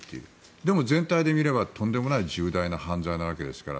でも全体で見れば、とんでもない重大な犯罪ですから。